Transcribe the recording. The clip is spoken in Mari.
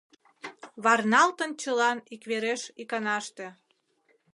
Варналтын чылан иквереш иканаште...